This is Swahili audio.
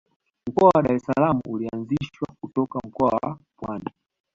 mkoa wa dar es salaam ulianzishwa kutoka mkoa wa pwani